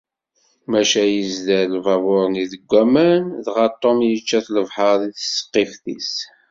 Maca yezder lbabuṛ-nni deg aman dɣa Tom yečča-t lebḥer deg tesqift-is.